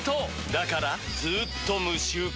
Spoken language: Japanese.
だからずーっと無臭化！